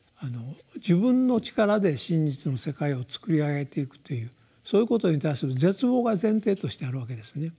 自分の力で真実の世界をつくり上げていくというそういうことに対する絶望が前提としてあるわけですね。